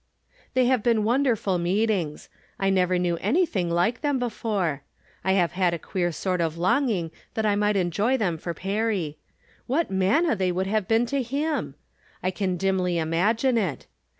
They have been wonderful meetings ; I never knew anything like them before. I have had a queer sort of longing that I might enjoy them for Perry. What manna they would have been to him! I can dimly imagine it.